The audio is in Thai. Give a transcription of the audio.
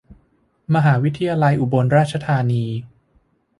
มหาวิทยาลัยอุบลราชธานี